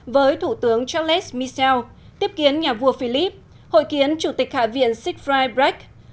với thủ tướng charles michel tiếp kiến nhà vua philip hội kiến chủ tịch hạ viện siegfried brecht